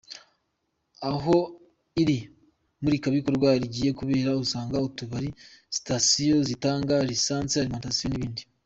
Aho iri murikabikorwa rigiye kubera, usanga utubari, sitasiyo zitanga lisanse, alimentation, n’ibindi.